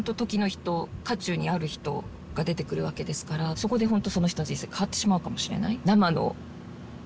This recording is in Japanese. そこで本当その人の人生変わってしまうかもしれない。